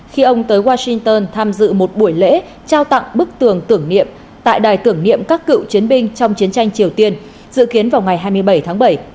khi ông tới washington tham dự một buổi lễ trao tặng bức tường tưởng niệm tại đài tưởng niệm các cựu chiến binh trong chiến tranh triều tiên dự kiến vào ngày hai mươi bảy tháng bảy